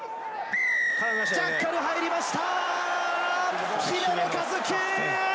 ジャッカル入りました！